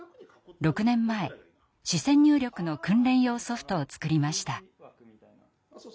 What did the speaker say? ６年前視線入力の訓練用ソフトを作りました。